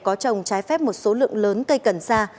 có trồng trái phép một số lượng lớn cây cần sa